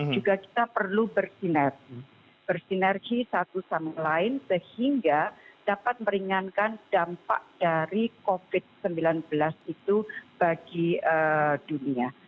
juga kita perlu bersinergi satu sama lain sehingga dapat meringankan dampak dari covid sembilan belas itu bagi dunia